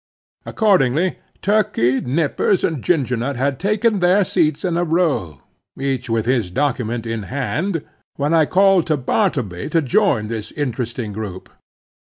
Accordingly Turkey, Nippers and Ginger Nut had taken their seats in a row, each with his document in hand, when I called to Bartleby to join this interesting group.